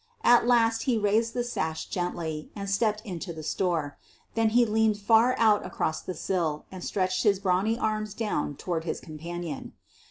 At last he raised the sash gently and stepped into the store. Then he leaned far out across the sill and stretched his brawny arms down toward Lis companion.